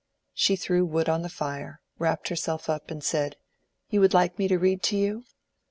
She threw wood on the fire, wrapped herself up, and said, "You would like me to read to you?"